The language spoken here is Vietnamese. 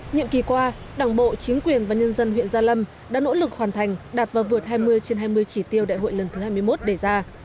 nhiệm kỳ qua đảng bộ chính quyền và nhân dân huyện gia lâm đã nỗ lực hoàn thành đạt và vượt hai mươi trên hai mươi chỉ tiêu đại hội lần thứ hai mươi một đề ra